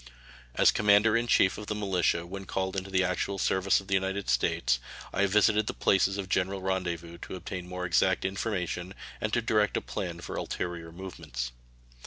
As commander in chief of the militia when called into the actual service of the United States, I have visited the places of general rendezvous to obtain more exact information and to direct a plan for ulterior movements.